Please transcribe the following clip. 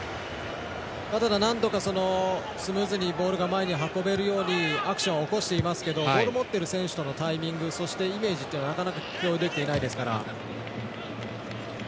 ただ何度かスムーズにボールが前に運べるようにアクションを起こしていますけどボールを持ってる選手とのタイミングそして、イメージっていうのは今日はできていないですから。